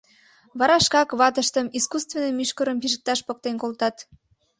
Вара шкак ватыштым искусственно мӱшкырым пижыкташ поктен колтат.